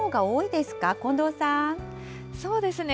そうですね。